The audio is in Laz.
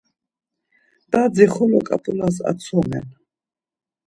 Dadzi xolo ǩap̌ulas atsonen.